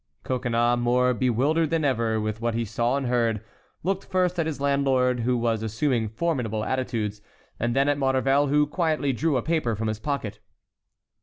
Coconnas, more bewildered than ever with what he saw and heard, looked first at his landlord, who was assuming formidable attitudes, and then at Maurevel, who quietly drew a paper from his pocket.